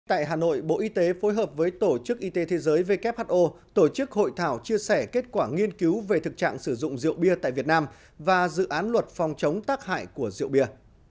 tại hà nội bộ y tế phối hợp với tổ chức y tế thế giới who tổ chức hội thảo chia sẻ kết quả nghiên cứu về thực trạng sử dụng rượu bia tại việt nam và dự án luật phòng chống tác hại của rượu bia